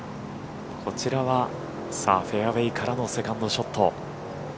こちらはフェアウエーからのセカンドショット。